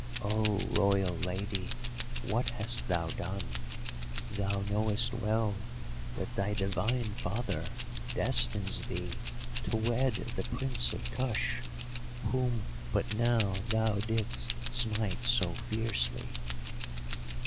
"'Oh, Royal Lady, what hast thou done? Thou knowest well that thy divine father destines thee to wed the Prince of Kush whom but now thou didst smite so fiercely.